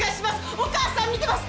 お母さん見てますか？